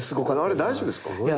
あれ大丈夫ですか？